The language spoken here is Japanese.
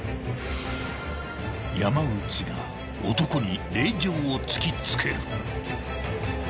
［山内が男に令状を突き付ける］